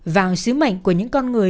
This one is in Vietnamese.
vào sứ mệnh của những con người